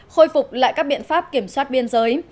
khôi phục lại các biện pháp kiểm soát biên giới